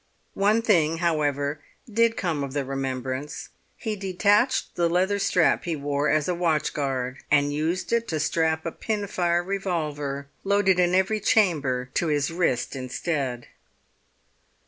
One thing, however, did come of the remembrance; he detached the leather strap he wore as a watch guard. And used it to strap a pin fire revolver, loaded in every chamber, to his wrist instead.